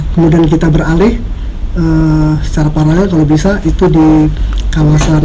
kemudian kita beralih secara paralel kalau bisa itu di kawasan